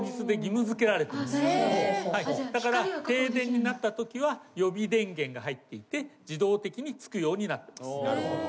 だから停電になったときは予備電源が入っていて自動的につくようになってます。